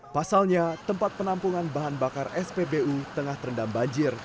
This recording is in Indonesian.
pasalnya tempat penampungan bahan bakar spbu tengah terendam banjir